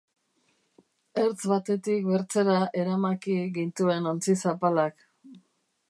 Ertz batetik bertzera eramaki gintuen ontzi zapalak.